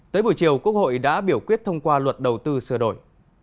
tới buổi chiều quốc hội đã biểu quyết thông qua luật đầu tư sửa đổi